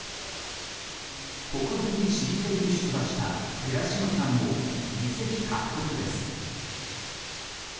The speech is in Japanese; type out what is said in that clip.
国分寺市議選に出馬した寺嶋さんも議席獲得です。